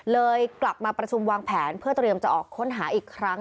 กลับมาประชุมวางแผนเพื่อเตรียมจะออกค้นหาอีกครั้ง